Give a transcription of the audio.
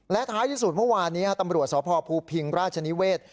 และท้ายที่สุดเมื่อวานนี้ตำรวจสพภูพิงราชนิเวศ